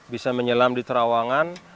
bisa menyelam di terawangan